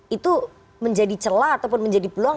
itu menjadi celah ataupun menjadi peluang